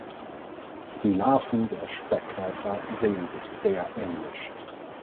Die Larven der Speckkäfer sehen sich sehr ähnlich.